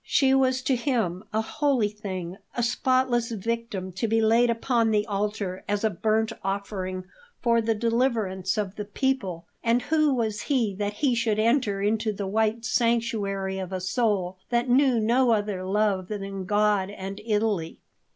She was to him a holy thing, a spotless victim to be laid upon the altar as a burnt offering for the deliverance of the people; and who was he that he should enter into the white sanctuary of a soul that knew no other love than God and Italy?